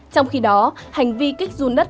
trong khi đó hành vi kích run đất